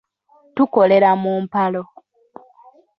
Tukolera mu mpalo.